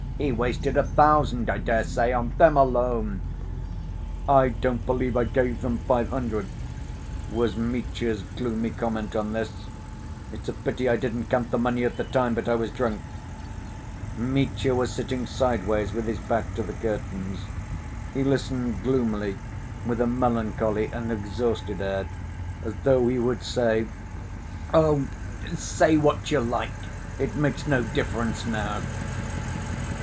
He wasted a thousand, I daresay, on them alone." "I don't believe I gave them five hundred," was Mitya's gloomy comment on this. "It's a pity I didn't count the money at the time, but I was drunk...." Mitya was sitting sideways with his back to the curtains. He listened gloomily, with a melancholy and exhausted air, as though he would say: "Oh, say what you like. It makes no difference now."